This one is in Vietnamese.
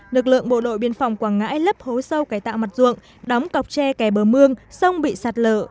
lực lượng bộ đội biên phòng quảng ngãi lấp hố sâu cải tạo mặt ruộng đóng cọc tre kè bờ mương sông bị sạt lở